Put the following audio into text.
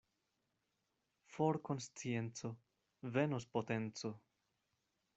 For konscienco, venos potenco.